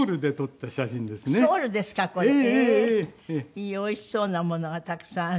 いいおいしそうなものがたくさんある。